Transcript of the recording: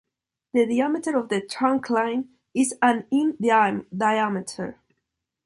The diameter of the trunkline is and in diameter.